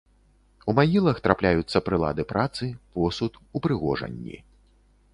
У магілах трапляюцца прылады працы, посуд, упрыгожанні.